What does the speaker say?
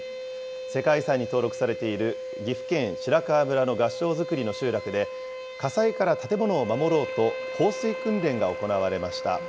世界遺産に登録されている、岐阜県白川村の合掌造りの集落で、火災から建物を守ろうと、放水訓練が行われました。